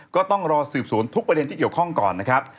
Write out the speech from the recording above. ก็ต้องรอสืบสวนทุกประเด็นที่เกี่ยวข้องก่อนนะครับ